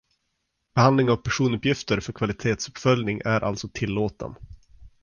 Behandling av personuppgifter för kvalitetsuppföljning är alltså tillåten.